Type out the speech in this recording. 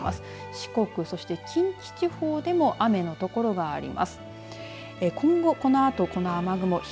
四国、そして近畿地方でも雨の所があります。